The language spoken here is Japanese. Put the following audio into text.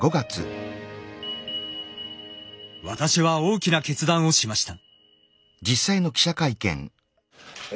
私は大きな決断をしました。